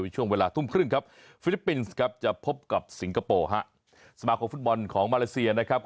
เพราะที่จะเป็นไปได้ครับ